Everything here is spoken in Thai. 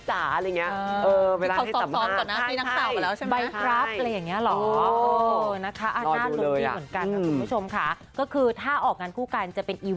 ที่จะได้ออกงานคู่กัน